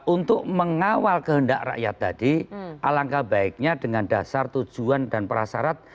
untuk mengawal kehendak rakyat tadi alangkah baiknya dengan dasar tujuan dan prasarat